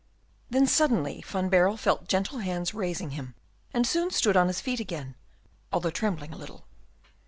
Then suddenly Van Baerle felt gentle hands raising him, and soon stood on his feet again, although trembling a little.